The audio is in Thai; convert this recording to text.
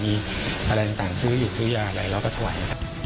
มีอะไรต่างซื้อหยุดซื้อยาอะไรแล้วก็ถวาย